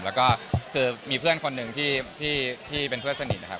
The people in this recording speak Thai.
แล้วก็คือมีเพื่อนคนหนึ่งที่เป็นเพื่อนสนิทนะครับ